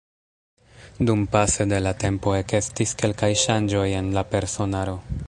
Dumpase de la tempo ekestis kelkaj ŝanĝoj en la personaro.